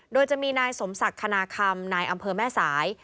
โดยจะมีนายสมศักดิ์คณาคำนายอำเภอแม่สาย